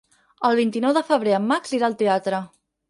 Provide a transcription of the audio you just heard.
El vint-i-nou de febrer en Max irà al teatre.